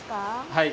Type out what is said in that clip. はい。